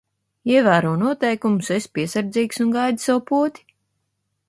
Ievēro noteikumus, esi piesardzīgs un gaidi savu poti.